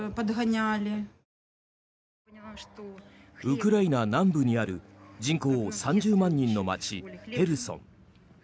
ウクライナ南部にある人口３０万人の街ヘルソン。